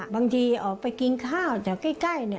บางทีออกไปกินข้าวจากใกล้